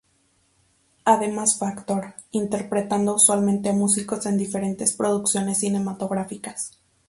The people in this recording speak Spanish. Además fue actor, interpretando usualmente a músicos en diferentes producciones cinematográficas.